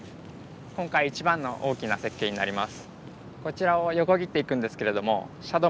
今回一番の大きな雪渓になります。